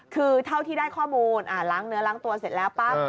คือเท่าที่ได้ข้อมูลล้างเนื้อล้างตัวเสร็จแล้วปั๊บ